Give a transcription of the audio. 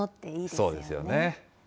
そうですよね。